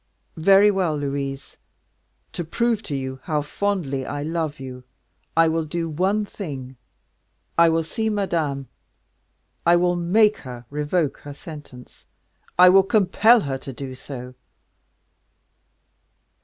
"Very well, Louise, to prove to you how fondly I love you, I will do one thing, I will see Madame; I will make her revoke her sentence, I will compel her to do so."